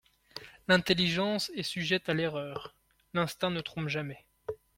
L'intelligence est sujette à l'erreur ; l'instinct ne trompe jamais.